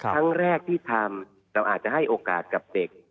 ครั้งแรกที่ทำเราอาจจะให้โอกาสกับเด็ก